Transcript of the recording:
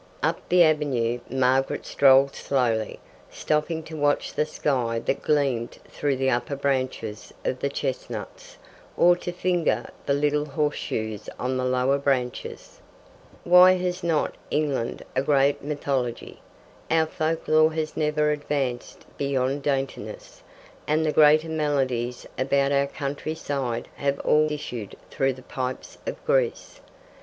Up the avenue Margaret strolled slowly, stopping to watch the sky that gleamed through the upper branches of the chestnuts, or to finger the little horseshoes on the lower branches. Why has not England a great mythology? Our folklore has never advanced beyond daintiness, and the greater melodies about our country side have all issued through the pipes of Greece.